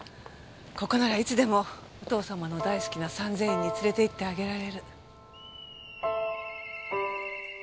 ここならいつでもお父様の大好きな三千院に連れて行ってあげられる。